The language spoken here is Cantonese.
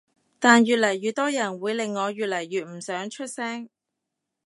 但越嚟越多人會令我越嚟越唔想出聲